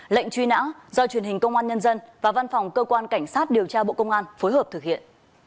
lệnh truy nã do truyền hình công an nhân dân và văn phòng cơ quan cảnh sát điều tra bộ công an phối hợp thực hiện